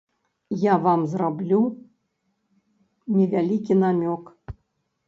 Я вам зраблю невялікі намёк.